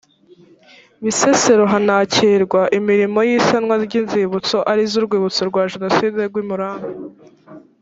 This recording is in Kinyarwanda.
bisesero hanakirwa imirimo y isanwa ry inzibutso arizo urwibutso rwa jenoside rw i murambi